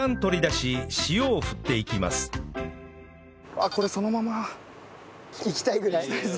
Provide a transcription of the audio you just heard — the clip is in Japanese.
あっこれそのまま。いきたいぐらい？